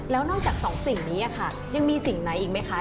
แล้วนอกจากสองสิ่งนี้ค่ะยังมีสิ่งไหนอีกไหมคะ